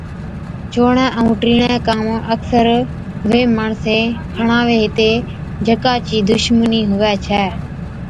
چَڻُوڻَي ائُون ٽِيڻي ڪام اڪثر وي ماڻسين کڻاوي هِتين جڪا چِي دُشمنِي هُوَي ڇَي